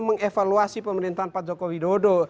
mengevaluasi pemerintahan pak jokowi dodo